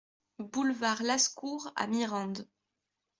Boulevard Lascours à Mirande